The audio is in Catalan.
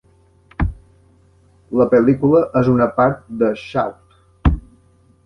La pel·lícula és una part de Shout!